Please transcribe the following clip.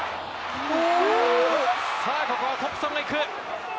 さあ、ここはトンプソンが行く。